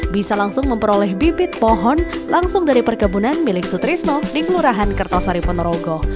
bisa langsung memperoleh bibit pohon langsung dari perkebunan milik sutrisno di kelurahan kertosari ponorogo